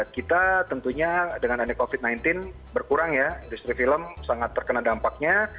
kita tentunya dengan ada covid sembilan belas berkurang ya industri film sangat terkena dampaknya